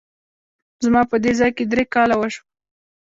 زما په دې ځای کي درې کاله وشوه !